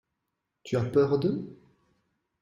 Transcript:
Tu as peur d’eux ?